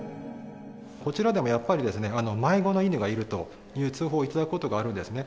こちらでも、やっぱり迷子の犬がいるという通報をいただくことがあるんですね。